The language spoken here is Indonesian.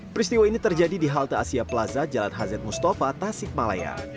peristiwa ini terjadi di halte asia plaza jalan hazet mustafa tasikmalaya